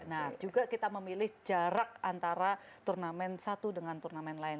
nah juga kita memilih jarak antara turnamen satu dengan turnamen lain